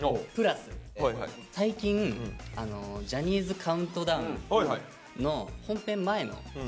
最近「ジャニーズカウントダウン」の本編前の。